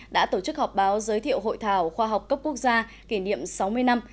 đã tổ chức họp báo giới thiệu hội thảo khoa học cấp quốc gia kỷ niệm sáu mươi năm